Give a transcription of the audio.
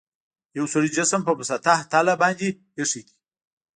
یو سړي جسم په مسطح تله باندې ایښي دي.